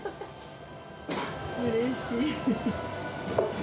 うれしい。